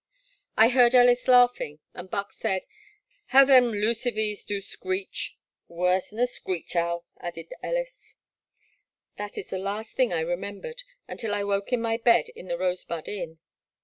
I heard Ellis laughing, and Buck said, '* haow them lucivees du screech !*'Worse 'n a screech owl,*' added Ellis. That is the last thing I remembered until I woke in my bed in the Rosebud Inn.